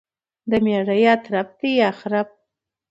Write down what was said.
دميړه يا ترپ دى يا خرپ.